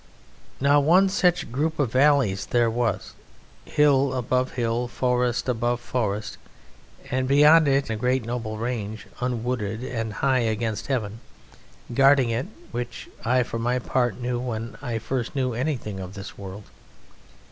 Now one such group of valleys there was, hill above hill, forest above forest, and beyond it a great noble range, unwooded and high against heaven, guarding it, which I for my part knew when first I knew anything of this world.